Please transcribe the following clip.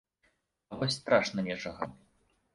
А вось страшна нечага.